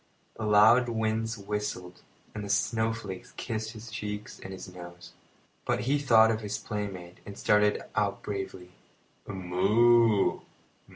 The loud winds whistled, and the snowflakes kissed his cheeks and his nose; but he thought of his playmate and started out bravely. "Moo!